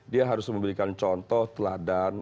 dia harus memberikan contoh teladan